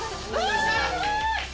すごーい。